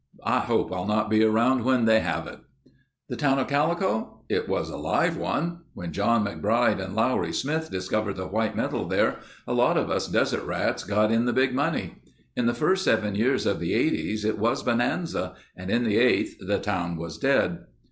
I hope I'll not be around when they have it. "The town of Calico? It was a live one. When John McBryde and Lowery Silver discovered the white metal there, a lot of us desert rats got in the big money. In the first seven years of the Eighties it was bonanza and in the eighth the town was dead."